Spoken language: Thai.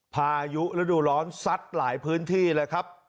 พายุฤดูร้อนซัดหลายพื้นที่เลยครับ